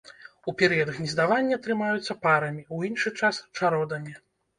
У перыяд гнездавання трымаюцца парамі, у іншы час чародамі.